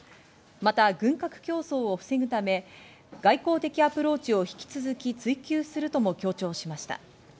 また軍拡競争を防ぐため、外交的アプローチを引き続き、追及するとも強調しました。